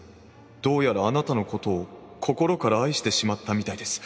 どうやらあなたのことを心から愛してしまったみたいです。